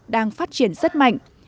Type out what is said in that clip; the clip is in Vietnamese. đang phát triển rất mạnh